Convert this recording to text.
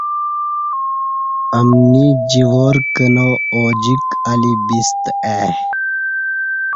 امنی جوار کنا اوجک الی بستہ ائی